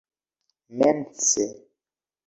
mense